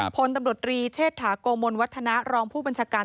พลตำรวจรีเชษฐาโกมลวัฒนารองผู้บัญชาการ